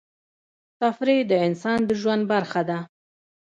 تفریح د انسان د ژوند برخه ده.